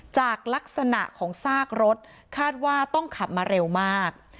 จากลักษณะของซากรถคาดว่าต้องขับมาเร็วมาก